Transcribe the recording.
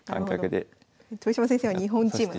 豊島先生は日本チームなんですね。